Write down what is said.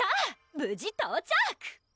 無事到着！